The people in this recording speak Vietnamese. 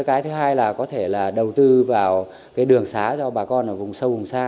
cái thứ hai là có thể là đầu tư vào cái đường xá cho bà con ở vùng sâu vùng xa